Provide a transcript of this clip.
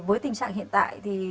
với tình trạng hiện tại